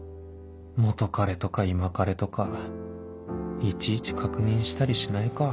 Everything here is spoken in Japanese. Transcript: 元カレとか今カレとかいちいち確認したりしないかぁ